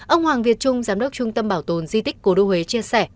ông hoàng việt trung giám đốc trung tâm bảo tồn di tích cổ đô huế chia sẻ